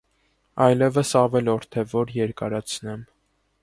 Այլևս ավելորդ է, որ երկարացնեմ: